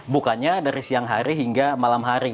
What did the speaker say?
bukannya dari siang hari hingga malam hari